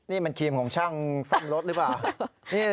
นี่มันครีมของช่างซ่อมรถหรือเปล่า